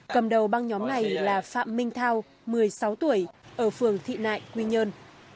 cầm đầu băng nhóm này là phạm minh thao một mươi sáu tuổi ở phường thị nại quy nhơn